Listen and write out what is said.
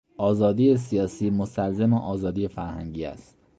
آزادی سیاسی مستلزم آزادی فرهنگی است.